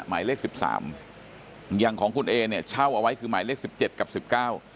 หมายเลขสิบสามอย่างของคุณเอเนี่ยเช่าเอาไว้คือหมายเลขสิบเจ็ดกับสิบเก้า